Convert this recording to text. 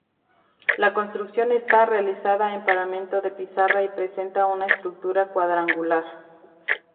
La construcción está, realizada en paramento de pizarra y presenta una estructura cuadrangular.